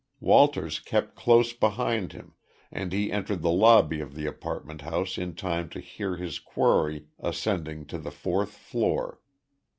Walters kept close behind him, and he entered the lobby of the apartment house in time to hear his quarry ascending to the fourth floor.